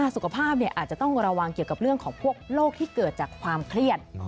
สุขภาพอาจจะต้องระวังเกี่ยวกับเรื่องของพวกโรคที่เกิดจากความเครียด